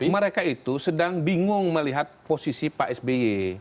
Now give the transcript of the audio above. mereka itu sedang bingung melihat posisi pak sby